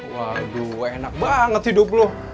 waduh enak banget hidup bloh